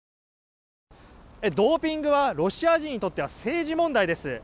ドーピングはロシア人にとっては政治問題です。